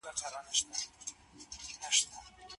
تخنیکي وسایل باید عصري سي.